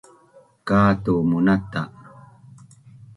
Ka’a tu munata